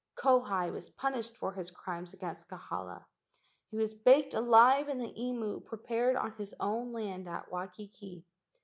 Kauhi was punished for his crimes against Kahala. He was baked alive in the imu pre¬ pared on his own land at Waikiki.